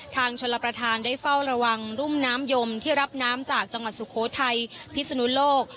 ชนรับประทานได้เฝ้าระวังรุ่มน้ำยมที่รับน้ำจากจังหวัดสุโขทัยพิศนุโลก